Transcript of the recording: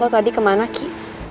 lo tadi kemana ki